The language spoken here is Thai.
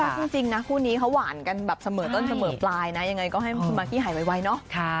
จริงนะคู่นี้เขาหวานกันแบบเสมอต้นเสมอปลายนะยังไงก็ให้คุณมากกี้หายไวเนอะ